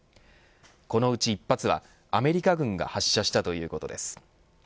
このうち１発はアメリカ軍が発射したということです。